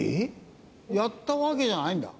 やったわけじゃないんだ。